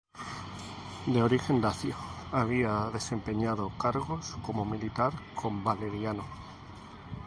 De origen dacio, había desempeñado cargos como militar con Valeriano.